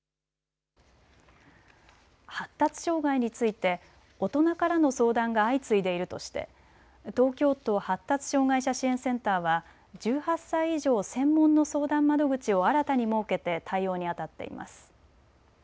発達障害について大人からの相談が相次いでいるとして東京都発達障害者支援センターは１８歳以上の専門の相談窓口を新たに設けて対応にあたっています。